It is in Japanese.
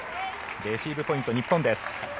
レシーブポイント日本です。